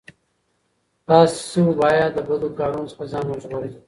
تاسو باید له بدو کارونو څخه ځان وژغورئ.